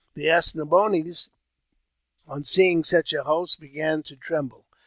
The As ne boines, on seeing such a host, began to tremble.